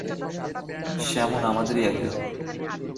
Salmon আমাদেরই একজন।